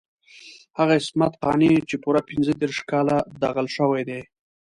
هغه عصمت قانع چې پوره پنځه دېرش کاله داغل شوی دی.